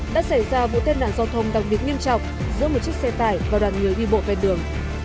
đã xảy ra vụ tên nạn giao thông đặc biệt nghiêm trọng giữa một chiếc xe tải và đoàn người đi bộ ven đường